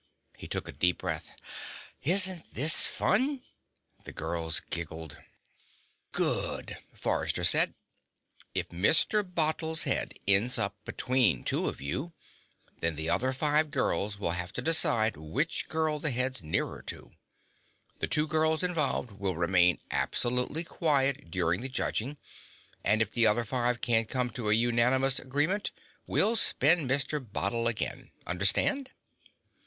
He took a deep breath. "Isn't this fun?" The girls giggled. "Good," Forrester said. "If Mr. Bottle's head ends up between two of you, then the other five girls will have to decide which girl the head's nearer to. The two girls involved will remain absolutely quiet during the judging, and if the other five can't come to a unanimous agreement, we'll spin Mr. Bottle again. Understand?"